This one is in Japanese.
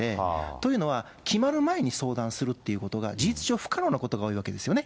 というのは、決まる前に相談するっていうことが事実上、不可能なことが多いわけですよね。